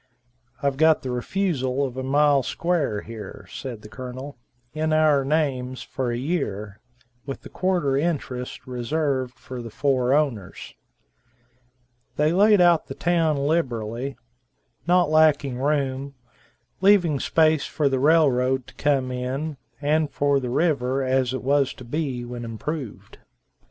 "I've got the refusal of a mile square here," said the Colonel, "in our names, for a year, with a quarter interest reserved for the four owners." They laid out the town liberally, not lacking room, leaving space for the railroad to come in, and for the river as it was to be when improved.